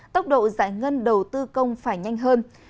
tốc độ giải ngân đầu tư công phải nhanh hơn